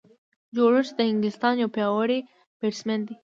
جو روټ د انګلستان یو پیاوړی بیټسمېن دئ.